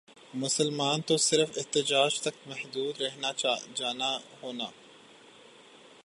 مسلمان تو صرف احتجاج تک محدود رہنا جانا ہونا